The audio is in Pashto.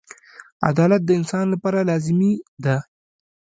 • عدالت د انسان لپاره لازمي دی.